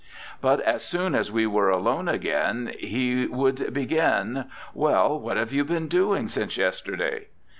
But as soon as we were alone again he would begin, 'Well, what have you been doing since yesterday?'